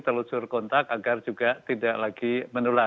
telusur kontak agar juga tidak lagi menular